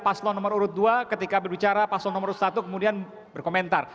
paslon nomor urut dua ketika berbicara paslon nomor satu kemudian berkomentar